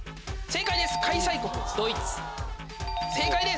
正解です！